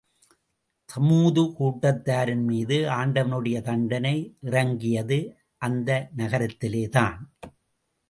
தமூது கூட்டத்தாரின் மீது ஆண்டவனுடைய தண்டனை இறங்கியது அந்த நகரத்திலேதான்.